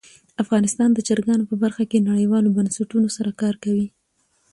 افغانستان د چرګانو په برخه کې نړیوالو بنسټونو سره کار کوي.